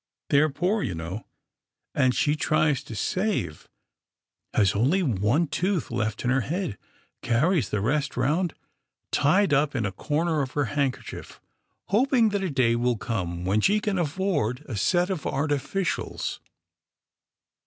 They're poor, you know, and she tries to save — has only one tooth left in her head, carries the rest round tied up in a corner of her handkerchief, hoping that a day will come when she can afford a set of artificials."